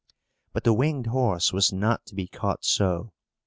But the winged horse was not to be caught so.